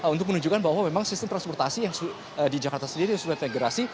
untuk menunjukkan bahwa memang sistem transportasi yang di jakarta sendiri yang sudah terintegrasi